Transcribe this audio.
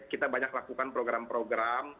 kita banyak lakukan program program